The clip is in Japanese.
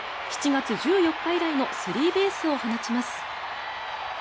７月１４日以来のスリーベースを放ちます。